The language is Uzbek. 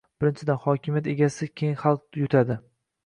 Birinchidan, hokimiyat egasi, keyin xalq yutadi